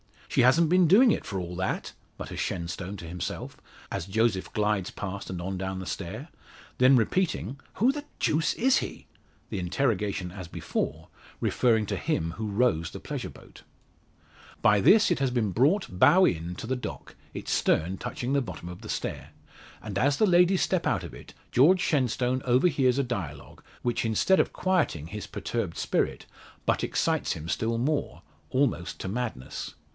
"She hasn't been doing it for all that," mutters Shenstone to himself, as Joseph glides past and on down the stair; then repeating, "Who the deuce is he?" the interrogation as before, referring to him who rows the pleasure boat. By this it has been brought, bow in, to the dock, its stern touching the bottom of the stair; and, as the ladies step out of it, George Shenstone overhears a dialogue, which, instead of quieting his perturbed spirit, but excites him still more almost to madness.